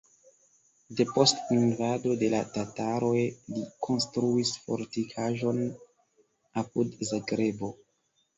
Depost invado de la tataroj li konstruis fortikaĵon apud Zagrebo.